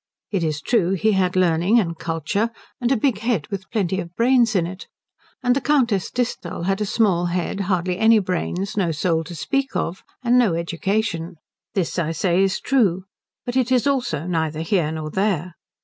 It is true he had learning, and culture, and a big head with plenty of brains in it, and the Countess Disthal had a small head, hardly any brains, no soul to speak of, and no education. This, I say, is true; but it is also neither here nor there.